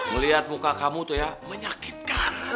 melihat muka kamu tuh ya menyakitkan